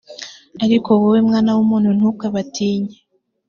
ariko wowe mwana w’umuntu, ntukabatinye